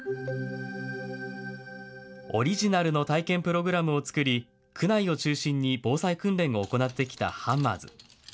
オリジナルの体験プログラムを作り、区内を中心に防災訓練を行ってきたハンマーズ。